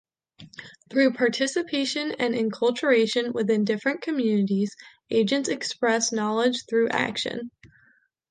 Through participation and enculturation within different communities, agents express knowing through action.